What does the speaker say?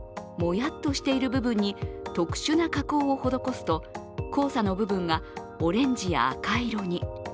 やっとしている部分に特殊な加工を施すと、黄砂の部分がオレンジや赤色に。